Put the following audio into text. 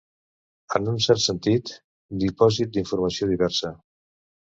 En un cert sentit, dipòsit d'informació diversa.